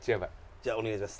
じゃあお願いします。